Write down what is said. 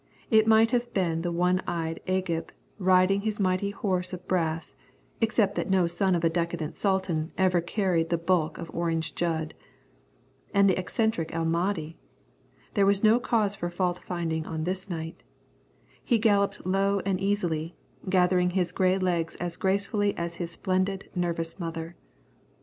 It might have been the one eyed Agib riding his mighty horse of brass, except that no son of a decadent Sultan ever carried the bulk of Orange Jud. And the eccentric El Mahdi! There was no cause for fault finding on this night. He galloped low and easily, gathering his grey legs as gracefully as his splendid, nervous mother.